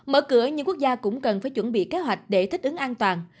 mở cửa nhưng quốc gia cũng cần phải chuẩn bị kế hoạch để thích ứng an toàn